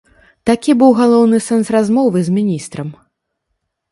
Такі быў галоўны сэнс размовы з міністрам.